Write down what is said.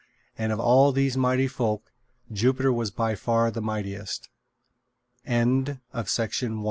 And of all these Mighty Folk, Jupiter was by far the mightiest. TH